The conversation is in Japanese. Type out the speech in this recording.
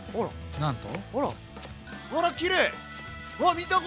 なんと。